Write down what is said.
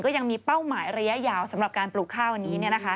ก็ยังมีเป้าหมายระยะยาวสำหรับการปลูกข้าวนี้